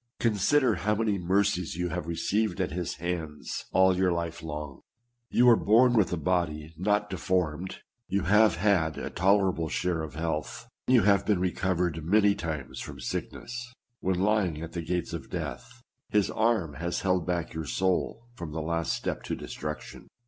Consider how many mercies you have received at his hands all your life long ! You are born with a body not deformed ; you have had a toler able share of health ; you have been recovered many times from sickness ; when lying at the gates of death, his arm has held back your soul from the last step to destruction.